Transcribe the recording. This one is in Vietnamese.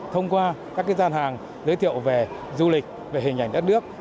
thông qua các gian hàng giới thiệu về du lịch về hình ảnh đất nước